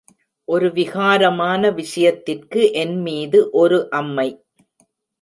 ஒரு விகாரமான விஷயத்திற்கு என் மீது ஒரு அம்மை.